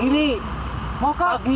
dari mana pak